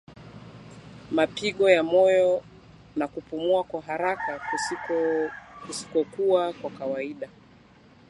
Mapigo ya moyo na kupumua kwa haraka kusikokuwa kwa kawaida